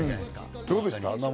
どうですか？